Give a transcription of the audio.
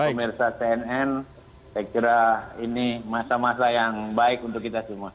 pemirsa cnn saya kira ini masa masa yang baik untuk kita semua